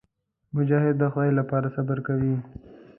مجاهد د خدای لپاره صبر کوي.